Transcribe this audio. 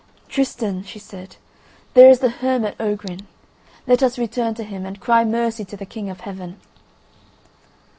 "Tristan," she said, "there is the hermit Ogrin. Let us return to him, and cry mercy to the King of Heaven."